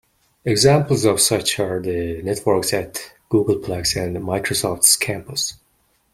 Examples of such are the networks at Googleplex and Microsoft's campus.